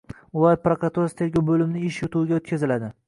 viloyat prokuraturasi tergov bo‘limining ish yurituviga o‘tkaziladi.